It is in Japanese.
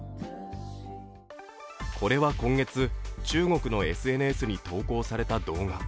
これは今月、中国のＳＮＳに投稿された動画。